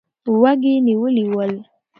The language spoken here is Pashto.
وږي یې نیولي ول.